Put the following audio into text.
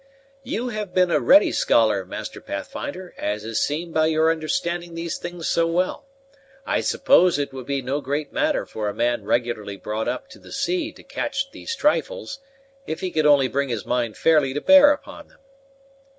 "You have been a ready scholar, Master Pathfinder, as is seen by your understanding these things so well. I suppose it would be no great matter for a man regularly brought up to the sea to catch these trifles, if he could only bring his mind fairly to bear upon them."